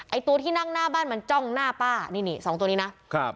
ตัวที่นั่งหน้าบ้านมันจ้องหน้าป้านี่นี่สองตัวนี้นะครับ